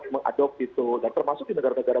mengadopsi itu dan termasuk di negara negara